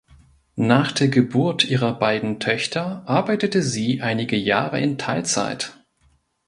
Nach der Geburt ihrer beiden Töchter arbeitete sie einige Jahre in Teilzeit.